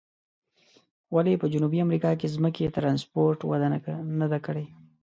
ولې په جنوبي امریکا کې ځمکني ترانسپورت وده نه ده کړې؟